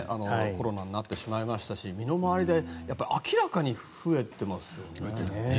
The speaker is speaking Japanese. コロナになってしまいましたし身の回りで明らかに増えていますよね。